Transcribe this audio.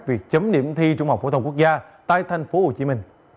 việc chấm điểm thi trung học phổ thông quốc gia tại tp hcm